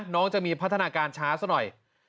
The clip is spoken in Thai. น้องจะมีพัฒนาการช้าซะหน่อย